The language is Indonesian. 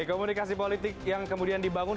komunikasi politik yang kemudian dibangun